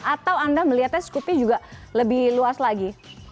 atau anda melihatnya scoop nya juga lebih luas lagi